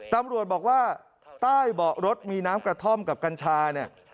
ตำรวจบอกว่าใต้เบาะรถมีน้ำกระท่อมกับกัญชาเนี่ย